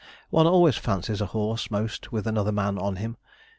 One always fancies a horse most with another man on him.